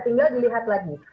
tinggal dilihat lagi